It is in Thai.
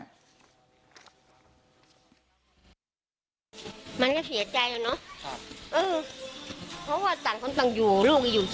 คืออยากที่แจ้งแท้นว่าที่ออกไปว่าลวนลามอะไรประมาณเนี่ยค่ะ